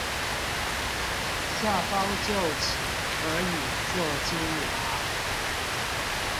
下方臼齒可以做金牙